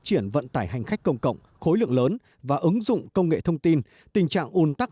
triển vận tải hành khách công cộng khối lượng lớn và ứng dụng công nghệ thông tin tình trạng